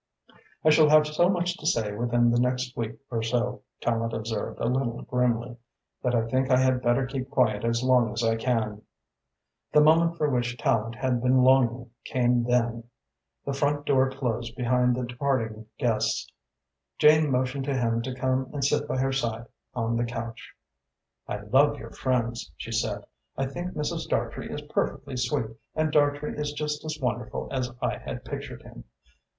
"I shall have so much to say within the next week or so," Tallente observed, a little grimly, "that I think I had better keep quiet as long as I can." The moment for which Tallente had been longing came then. The front door closed behind the departing guests. Jane motioned to him to come and sit by her side on the couch. "I love your friends," she said. "I think Mrs. Dartrey is perfectly sweet and Dartrey is just as wonderful as I had pictured him.